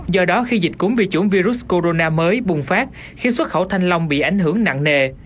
do đó khi dịch cúng vi chuẩn virus corona mới bùng phát khiến xuất khẩu thanh long bị ảnh hưởng nặng nề